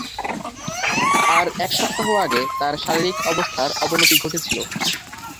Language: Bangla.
এর এক সপ্তাহ আগে তার শারীরিক অবস্থার অবনতি ঘটেছিল।